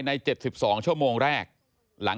พบหน้าลูกแบบเป็นร่างไร้วิญญาณ